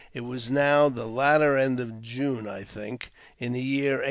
It was now the latter end of June (I think), in the year 1834.